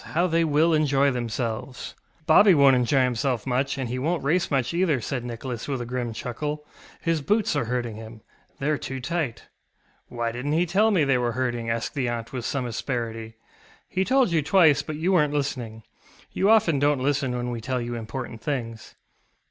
How they will enjoy themselves! ŌĆØ ŌĆ£Bobby wonŌĆÖt enjoy himself much, and he wonŌĆÖt race much either, ŌĆØ said Nicholas with a grim chuckle; ŌĆ£his boots are hurting him. TheyŌĆÖre too tight. ŌĆØ ŌĆ£Why didnŌĆÖt he tell me they were hurting? ŌĆØ asked the aunt with some asperity. ŌĆ£He told you twice, but you werenŌĆÖt listening. You often donŌĆÖt listen when we tell you important things.